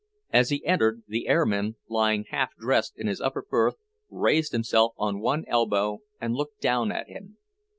As he entered, the air man, lying half dressed in his upper berth, raised himself on one elbow and looked down at him.